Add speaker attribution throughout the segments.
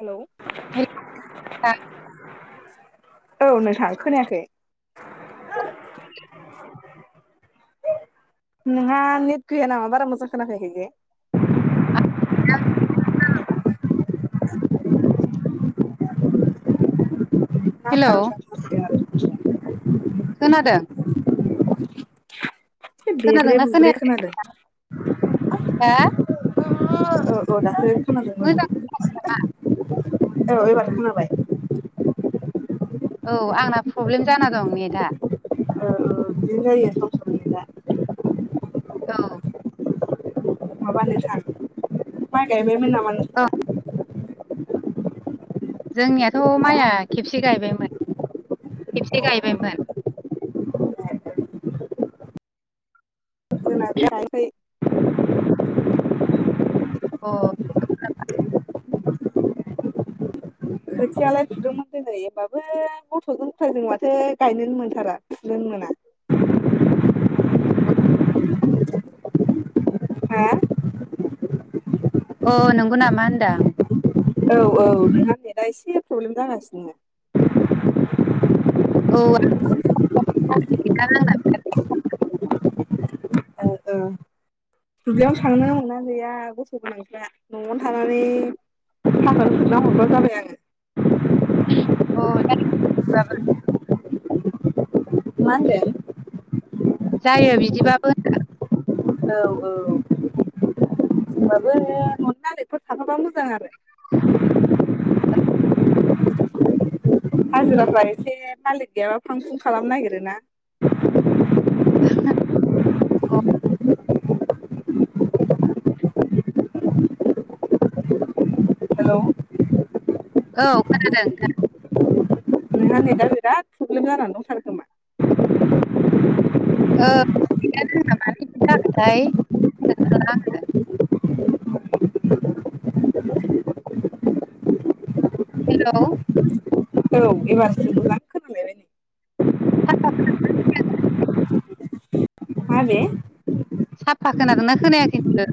Speaker 1: Hello
Speaker 2: hello
Speaker 1: औ नोंथां खोनायाखै [unintelligible] नोंहा नेत गैया नामा बारा मोजां खानाफैयाखैजे [unintelligible] [unintelligible]
Speaker 2: हेलौ
Speaker 1: [inaudible]
Speaker 2: खोनादों
Speaker 1: बेब्रे
Speaker 2: खोनादोंना
Speaker 1: बुब्रे
Speaker 2: खोनायाखै
Speaker 1: खोनादों
Speaker 2: दा
Speaker 1: औ औ दाखो खोनादों मोजां मोन औ इबार खोनाबाय
Speaker 2: औ आंना प्रब्लेम जाना दं नेटआ
Speaker 1: औ औ बिदिनो जायो सम सम नेता
Speaker 2: औ
Speaker 1: माबा नोंथां माय गायबायमोन नामा
Speaker 2: औ
Speaker 1: नोंस्रा
Speaker 2: जोंनियाथ'
Speaker 1: हा
Speaker 2: माइया खेबसे गायबायमो मोन खेबसे गायबायमोन
Speaker 1: अ जोना गैया हायाखै
Speaker 2: अ
Speaker 1: खोथियालाय फुदोंमोन दिनै होमबाबो गथ'जों गथ जों माथो गायनोनो मोनथारा फुनोनो मोना [unintelligible]
Speaker 2: औ
Speaker 1: हा
Speaker 2: अ नंगौ [unintelligible]
Speaker 1: औ औ नोंहा नेदा एसे प्रब्लेम जागासिनो
Speaker 2: औ [unintelligible]
Speaker 1: ओ ओ दुब्लियाव थांनो मोना गैया गथ गोनांफ्रा नआवनो थानानै थाखा सोना हरबानो जाबाय आरो
Speaker 2: औ जायो जाबा
Speaker 1: मा होनदों
Speaker 2: जायो बिदिबाबो
Speaker 1: औ औ बाबो ननि मालिकफोर थाफाबा मोजां आरो [inaudible] हाजिराफ्रा एसे मालिक गैयाबा फां फुं खालामनो नागिरोना।
Speaker 2: अव
Speaker 1: हेलौ
Speaker 2: औ खोनादों ओं।
Speaker 1: नोंहा नेदा बिराद प्रब्लेम जानानै दंथारो खोमा।
Speaker 2: ओ मानो बिदि जाखोथाय नेदानो नाङा आरो।
Speaker 1: [inaudible]
Speaker 2: हेलोव
Speaker 1: औ एबारसो मोजां खोनालायबाय नै। माबे
Speaker 2: साफा खोनागोना ना खोनायाखै होनदो।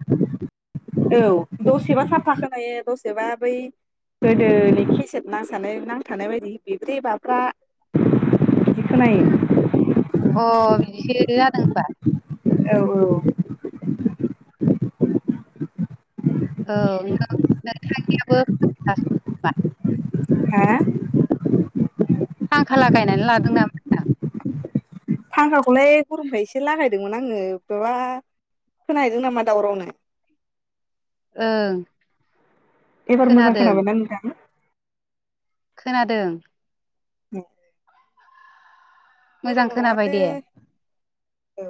Speaker 1: औ दसेबा साफा खोनायो दसेबा बै गोदोनि खिसेट नांसानाय नांथानाय बायदि बिब्रि बाब्रा खोनायो
Speaker 2: अ बिदिस जादों होमबा।
Speaker 1: औ औ
Speaker 2: औ नोंथांनियाबो [unintelligible] खोमा।
Speaker 1: हा
Speaker 2: फांखा लागायनानै लादों नामा? ओनदां।
Speaker 1: फांखाखौलाय गरमखाय एसे लागायदोंमोन आङो माबा खोनाहोयदों नामा दावरावनो?
Speaker 2: ओं
Speaker 1: एबार मोजां
Speaker 2: खोनादों
Speaker 1: खोनाबाय ना नोंथां?
Speaker 2: खोनादों।
Speaker 1: औ
Speaker 2: मोजां खोनाबाय दे।
Speaker 1: औ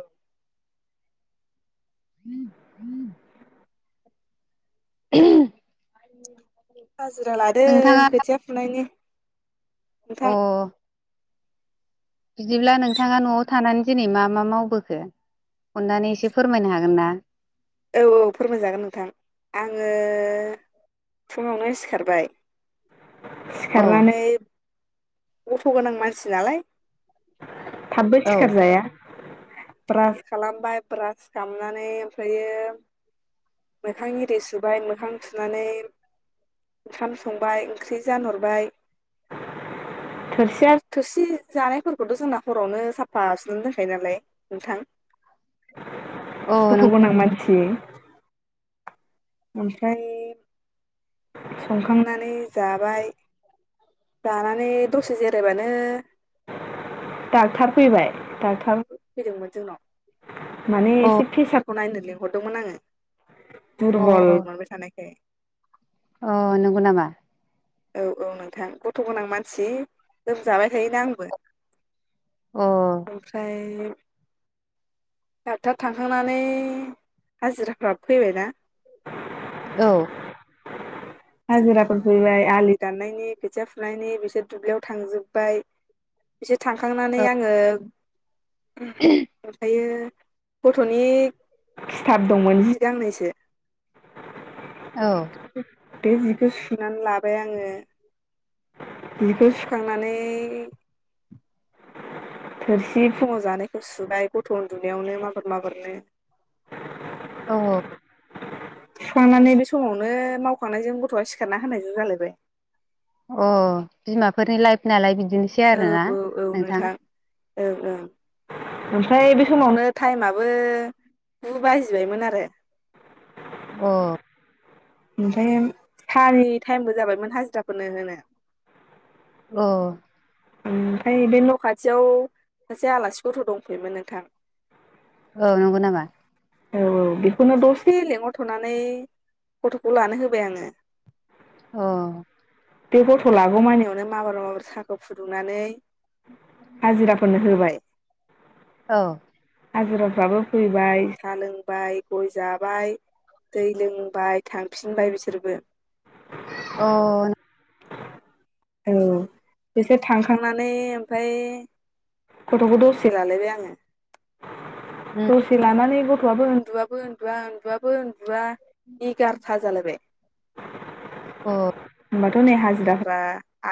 Speaker 2: उमह [unintelligible]
Speaker 1: हाजिरा लादों खोथिया फुनायनि। नोंथां
Speaker 2: अह बिदिब्ला नोंथाङा नआव थानानै दिनै मा मा मावबोखो? अननानै एसे फोरमायनो हागोन ना?
Speaker 1: औ औ फोरमायजागोन नोंथां। आङो फुङावनो सिखारबाय‌
Speaker 2: अ
Speaker 1: सिखारनानै गथ गोनां मानसि नालाय थाबबो
Speaker 2: औ
Speaker 1: सिखारजाया, ब्रास खालामबाय ब्रास खामनानै ओमफ्राय ओमफ्रायो मोखां इरि सुबाय मोखां सुनानै ओंखाम संबाय ओंख्रि जानहरबाय थोरसिया थोरसि जानायफोरखौथ जोंना हरावनो साफा सुनो दोनखायो नालाय नोंथां। [unintelligible]
Speaker 2: औ
Speaker 1: दुख'
Speaker 2: नों
Speaker 1: गोनां मानसि। ओमफ्राय संखांनानै जाबाय। जानानै दसे जिरायबानो डाक्टार फैबाय डक्टार फैदोंमोन जोंनाव माने
Speaker 2: अ
Speaker 1: एसे फेसारखौ नायनो लिंहरदोंमोन आङो।
Speaker 2: अ
Speaker 1: दुरबल मार बेसानोख
Speaker 2: अ नंगौ नामा?
Speaker 1: औ औ नोंथां गथ' गोनां मानसि जाबाय थायोना आंबो,
Speaker 2: अ औ
Speaker 1: ओमफ्राय डक्टार थांखांनानै हाजिराफ्राबो फैबायना।
Speaker 2: औ
Speaker 1: हाजिराफोर फैबायाय आलि दाननायनि खोथिया फुनायनि बिसोर दुब्लियाव थांजोबबाय बिसोर थांखांनानै आङो उम ओमफायो गथ'नि खिथाब दंमोन हि गांनैसो
Speaker 2: औ
Speaker 1: बे जिखो सुनानै लाब बाय आङो बिखो सुखांनानै [inaudible] थोरसि फुङाव जानायखौ सुबाय गथ' उन्दुनायावनो माबार माबारनो
Speaker 2: औ अ
Speaker 1: सुखांनानै बे समावनो मावखांनायजों गथ'आ सिखारना होनाय जो जालायबाय
Speaker 2: अ बिमाफोरनि लाइफ नालाय बिद
Speaker 1: औ औ औ नोंथां औ औ ओमफ्राय बे समावनो टाइमाबो गु बाजिबायमोन आरो
Speaker 2: अ
Speaker 1: ओमफ्रायम सारि टाइमबो जाबायमोन हाजिराफोरनो होनो
Speaker 2: अ
Speaker 1: ओ ओमफाय बे न' खाथियाव जा आलासि गथ' दंफैयोन नोंथां
Speaker 2: औ नंगौ नामा?
Speaker 1: औ औ बेखौनो दसे लेंहरथ'नानै गथ'खौ लानो होबाय आङो।
Speaker 2: अ
Speaker 1: बे गथ' लागौमानियावनो माबार माबार सा खौ फुदुंनानै हाजिराफोरनो होबाय। ए
Speaker 2: औ
Speaker 1: हाजिराफ्राबो फैबाय साहा लोंबाय गय जाबाय। दै लोंबाय थांफिनबाय बिसोरबो।
Speaker 2: अ नों
Speaker 1: औ बिसोर थांखांनानै ओमफाय गथ'खौ दसे लालायबाय आङो। दसे लानानै गथ'आबो उन्दुआबो उन्दुआ उन्दुआबो उन्दुआ बिग आरथा जालायबाय।
Speaker 2: अ
Speaker 1: दाथ' नै हाजिराफ्रा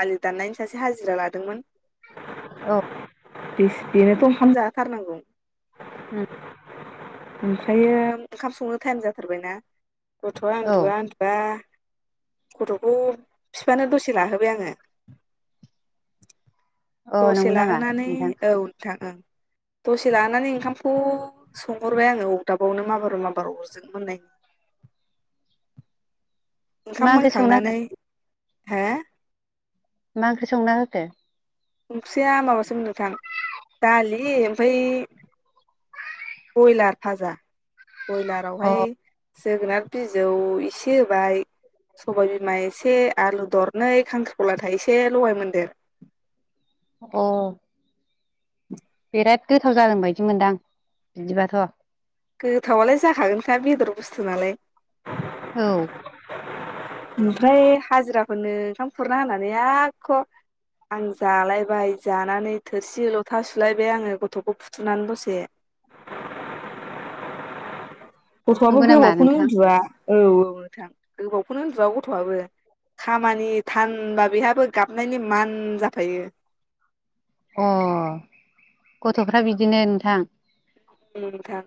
Speaker 1: आलि दाननायनि सासे हाजिरा लादोंमोन।
Speaker 2: औ
Speaker 1: बेस बेनोथ' ओंखाम जाहो थारनांगौ।
Speaker 2: उम
Speaker 1: ओमफ्रायोम ओंखाम संनो टाइम जाथारबायना गथ'आ
Speaker 2: औ
Speaker 1: उन्दुआ उन्दुआ गथ'खौ फिफानो दसे लाहोबाय आङो।
Speaker 2: अ
Speaker 1: दसे
Speaker 2: नंगौ नामा
Speaker 1: लाहोनानै
Speaker 2: नोंथां
Speaker 1: औ नोंथां ओं दसे लानानै ओंखामखौ संहरबाय आङो अरदाबावनो माबार माबार अरजों मोननाय [inaudible] ओंखाम
Speaker 2: मा ओंख्रि संना
Speaker 1: मोनखांनानै हो
Speaker 2: मा ओंख्रि संना होखो?
Speaker 1: ओंख्रिया माबासोन नोंथां दालि ओमफाय बयलार भाजा बयलारावहाय
Speaker 2: अ
Speaker 1: जोगोनार बिजौ इसे होबाय सबाय बिमा एसे आलु दरनै खांख्रिखला थायसे लगाय मोनदेर।
Speaker 2: अ बिराद गोथाव जादों बायदि मोनदां बिदिबाथ'।
Speaker 1: गोथावालाय जाखागोनखा बेदर बुस्थु नालाय।
Speaker 2: औ।
Speaker 1: ओमफ्राय हाजिराफोरनो ओंखाम खुरना होनानै आख' आं जालायबाय जानानै थोरसि लथा सुलायबाय आङो गथ'खौ फुथुनानै दसे। [unintelligible] गथ'आबो
Speaker 2: नंगौ नामा
Speaker 1: गोबावखौनो
Speaker 2: नोंथां
Speaker 1: उन्दुआ औ औ नोंथां गोबावखौनो उन्दुवा गथ'आबो। खामानि थानबा बेहाबो गाबनायनि मान जाफायो।
Speaker 2: अ गथ'फ्रा बिदिनो नोंथां।
Speaker 1: उम नोंथां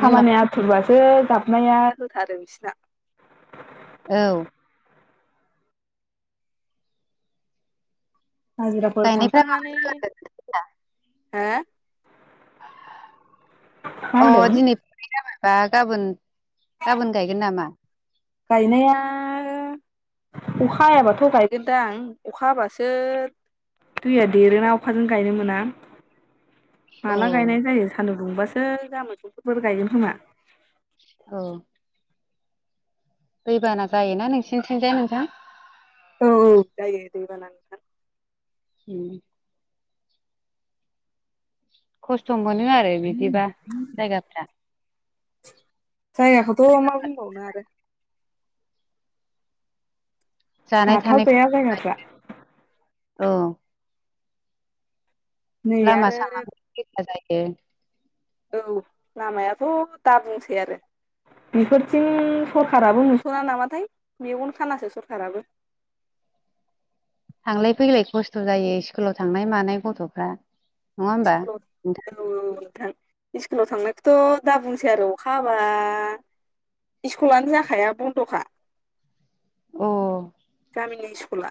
Speaker 2: बिमा
Speaker 1: आथुरबासो गाब नाया होथारो बिसिना।
Speaker 2: औ।
Speaker 1: हाजिराफोर
Speaker 2: गायनायफ्रा
Speaker 1: थांखांनानै, हो?
Speaker 2: अ
Speaker 1: होनदों
Speaker 2: दिनि [unintelligible] बा गाबोन गाबोन गायगोन नामा?
Speaker 1: गायनाया अखा हायाबाथ' गायगोनदांं अखा हाबासो दैया देरोना अखाजों गायनो मोना।
Speaker 2: औ
Speaker 1: माला गायनाय जायो सान्दुं दुंबासो गामोन समफोर गायगोन खोमा।
Speaker 2: औ। दैबाना जायोना नोंसिनिथिंजाय नोंथां?
Speaker 1: औ औ जायो दैबाना नोंथां।
Speaker 2: हम। खस्थ' मोनो आरो बिदिबा जायगाफ्रा।
Speaker 1: जायगाखौथ' मा बुंबावनो आरो
Speaker 2: जानाय
Speaker 1: गाथाव
Speaker 2: थानायखौ
Speaker 1: जाया जायगाफ्रा।
Speaker 2: औ।
Speaker 1: नै
Speaker 2: लामा
Speaker 1: आरो
Speaker 2: सामा [unintelligible] लेथ्रा जायो।
Speaker 1: औ लामायाथ' दा बुंसै आरो। बेफोरथिं सरखाराबो नुस'ना नामाथाय मेगन खानासो सरखाराबो। [unintelligible]
Speaker 2: थांलाय फैलाय खस्थ' जायो इस्कुलाव थांनाय मानाय गथ'फ्रा। नङा होमबा
Speaker 1: [unintelligible]
Speaker 2: नोंथां
Speaker 1: नोंथां। इस्कुलाव थांनायखौथ' दा बुंसै आरो अखा हाबा इस्कुलानो जाखाया बन्द'खा।
Speaker 2: अ।
Speaker 1: गामिनि इस्कुला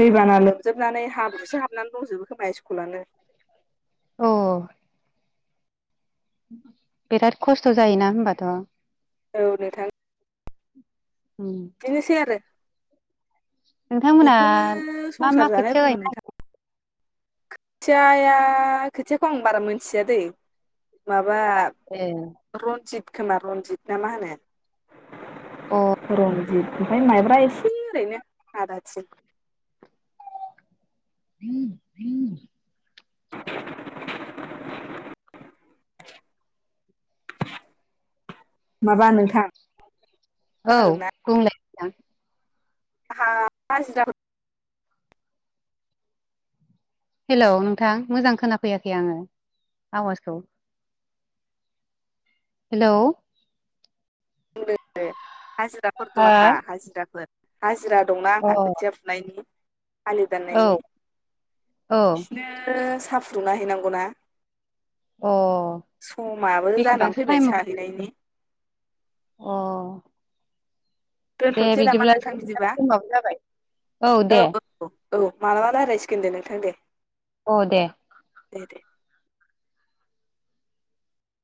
Speaker 1: दैबाना लोमजोबनानै हाब्रुसो हाबनानै दंजोबो खोमा स्कुलानो।
Speaker 2: अ। बिराद खस्थ' जायोना होनबाथ'?
Speaker 1: औ नोंथां।
Speaker 2: उम
Speaker 1: बिनोसै आरो।
Speaker 2: नोंथांमोना
Speaker 1: बेखौनो
Speaker 2: मा मा
Speaker 1: संसार
Speaker 2: खोथिया गायनो नारगेरदों?
Speaker 1: खोथिया खोथियाखौ आं बारा मिथिया दैे माबा
Speaker 2: नागिरो
Speaker 1: बा रनजित खोमा रनजित ना मा होनो।
Speaker 2: अ
Speaker 1: रंजित ओमफ्राय माइब्रा एसे ओरैनो आदाथिं
Speaker 2: [inaudible]
Speaker 1: [inaudible] माबा नोंथां
Speaker 2: औ
Speaker 1: खोनादोंना
Speaker 2: बुंलाय नोंथां?
Speaker 1: हाजिराफोर
Speaker 2: हेलौ नोंथां मोजां खोनाफैयाखै आङो आवाजखौ। हेल'
Speaker 1: हाजिराफोर दं आंहा हाजिराफोर हाजिरा दंना
Speaker 2: अ
Speaker 1: आंहा खोथिया फुनायनि आलि
Speaker 2: औ
Speaker 1: दाननायनि
Speaker 2: औ अ
Speaker 1: बिसिनो साहा फुंना हैैनांगौ ना समाबो जानानै
Speaker 2: बेसेबांसो
Speaker 1: फैबाय
Speaker 2: टाइमाव होयो?
Speaker 1: साहैनायनि
Speaker 2: अ दे
Speaker 1: दोनथ'नोसै नामा
Speaker 2: बिदिब्लाय नोंथां
Speaker 1: बिदिबा
Speaker 2: समाबो जाबाय।
Speaker 1: औ औ औ मालाबा रायलायसिगोन दे नोंथां दे।
Speaker 2: औ दे
Speaker 1: दे दे